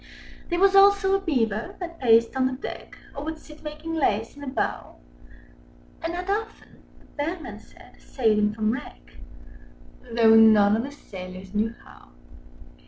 There was also a Beaver, that paced on the deck, Â Â Â Â Or would sit making lace in the bow: And had often (the Bellman said) saved them from wreck, Â Â Â Â Though none of the sailors knew how.